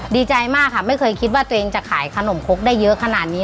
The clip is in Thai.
ดีใจมากค่ะไม่เคยคิดว่าตัวเองจะขายขนมคกได้เยอะขนาดนี้